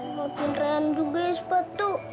makamu diam juga ya sepatu